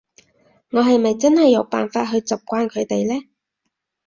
我係咪真係有辦法去習慣佢哋呢？